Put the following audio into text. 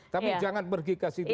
tapi jangan pergi ke situ